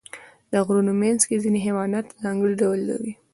د غرونو منځ کې ځینې حیوانات ځانګړي ډول لري.